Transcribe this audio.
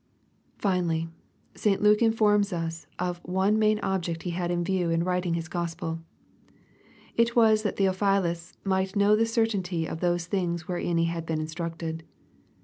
Finally, St. Luke informs us of one main object he had in view in writing his Gospel, It was that Theophilus " might know the certainty of those things wherein he had been instructed."